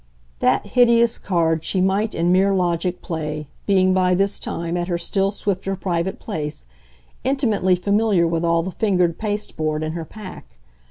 That hideous card she might in mere logic play being by this time, at her still swifter private pace, intimately familiar with all the fingered pasteboard in her pack.